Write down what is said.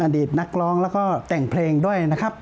อดีตนักร้องแล้วก็แต่งเพลงด้วยนะครับ